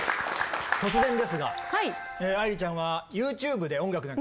突然ですが愛理ちゃんはＹｏｕＴｕｂｅで音楽なんかは聴きますか？